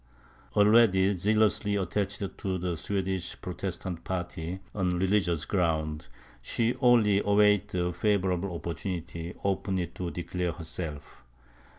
Already zealously attached to the Swedish Protestant party, on religious grounds, she only awaited a favourable opportunity openly to declare herself.